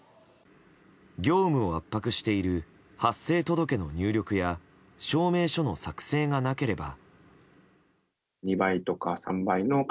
業務を圧迫している発生届の入力や証明書の作成がなければ。